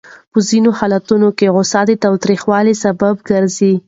په ځینو حالتونو کې غوسه د تاوتریخوالي سبب ګرځي.